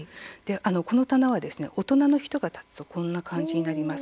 この棚は大人の人が立つとこんな感じになります。